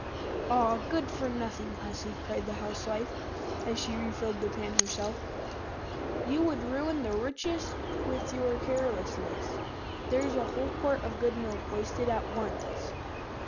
"Ah, good for nothing hussy!" cried the Housewife, as she refilled the pan herself, "you would ruin the richest with your carelessness. There's a whole quart of good milk wasted at once!"